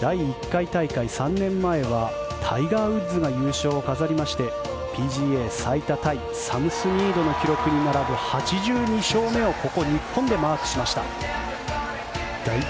第１回大会、３年前はタイガー・ウッズが優勝を飾りましてＰＧＡ最多タイの８２勝目をここ日本でマークしました。